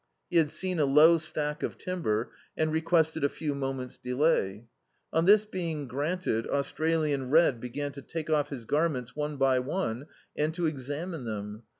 He had seen a low stack of timber, and requested a few moments de lay. On this being granted, Australian Red began to take off his garments one by one, and to examine them.